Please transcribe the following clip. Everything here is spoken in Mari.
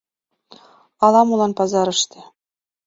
Ала-молан пазарыште